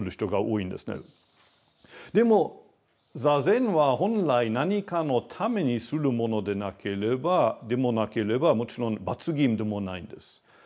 でも坐禅は本来何かのためにするものでもなければもちろん罰ゲームでもないんです。